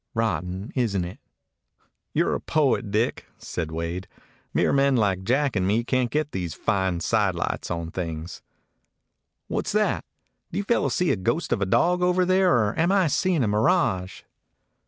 Rotten, isn't it?" "You 're a poet, Dick," said Wade. "Mere men like Jack and me can't get these fine side lights on things. ... What 's that? Do you fellows see a ghost of a dog over there, or am I seeing a mirage?"